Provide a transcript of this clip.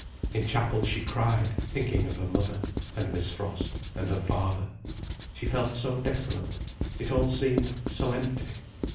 In chapel she cried, thinking of her mother, and Miss Frost, and her father. She felt so desolate—it all seemed so empty.